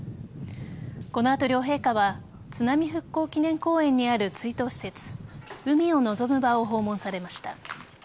この後、両陛下は津波復興祈念公園にある追悼施設海を望む場を訪問されました。